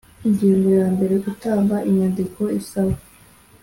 Ingingo ya mbere Gutanga inyandiko isaba